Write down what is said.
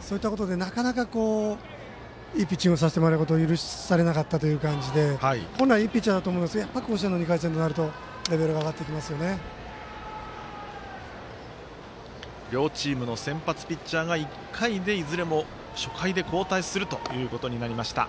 そういったことで、なかなかいいピッチングをさせてもらえることを許されなかったという感じで本来、いいピッチャーですが甲子園の２回戦ともなると両チームの先発ピッチャーが１回で、いずれも初回で交代するということになりました。